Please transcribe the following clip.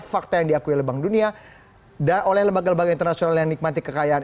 fakta yang diakui oleh bank dunia dan oleh lembaga lembaga internasional yang nikmati kekayaan